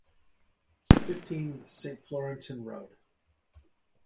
Fifteen, Saint-Florentin road